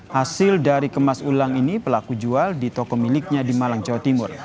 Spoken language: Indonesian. hasil dari kemas ulang ini pelaku jual di toko miliknya di malang jawa timur